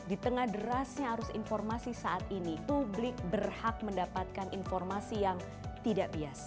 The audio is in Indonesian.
di tengah derasnya arus informasi saat ini publik berhak mendapatkan informasi yang tidak bias